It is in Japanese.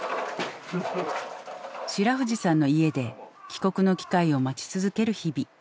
白藤さんの家で帰国の機会を待ち続ける日々。